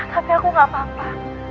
tapi aku tidak apa apa